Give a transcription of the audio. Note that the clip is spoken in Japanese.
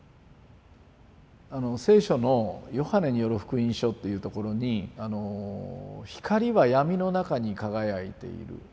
聖書の「ヨハネによる福音書」っていうところに「光はやみの中に輝いている」